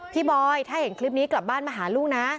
บอยถ้าเห็นคลิปนี้กลับบ้านมาหาลูกนะ